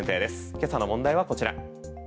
今朝の問題はこちら。